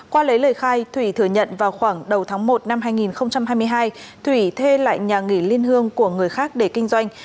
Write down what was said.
qua lấy lời khai thủy thừa nhận vào khoảng đầu tháng một năm hai nghìn hai mươi hai thủy thuê lại nhà nghỉ liên hương của người khác để kinh doanh